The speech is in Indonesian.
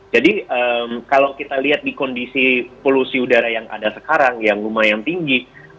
jadi kalau kita lihat di kondisi polusi udara yang ada sekarang yang lumayan tinggi